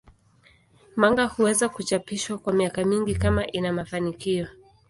Manga huweza kuchapishwa kwa miaka mingi kama ina mafanikio.